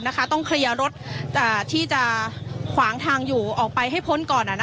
มีอารรถที่จะขวางทางอยู่ออกไปให้พ้นก่อน